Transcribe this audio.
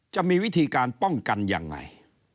จะมีวิธีการป้องกันยังไง